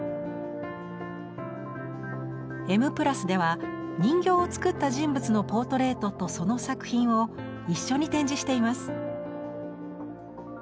「Ｍ＋」では人形を作った人物のポートレートとその作品を一緒に展示しています。